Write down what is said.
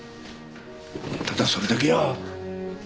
ただそれだけや。